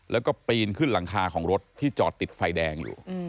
แล้วก็ปีนขึ้นหลังคาของรถที่จอดติดไฟแดงอยู่